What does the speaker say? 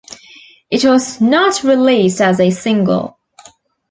It was not released as a single.